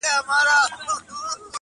د سبا نری شماله د خدای روی مي دی دروړی-